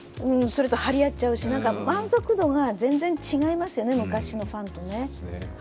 張り合っちゃうし、満足度が全然違いますよね、昔のファンとね。